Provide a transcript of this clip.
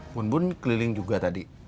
pun bun keliling juga tadi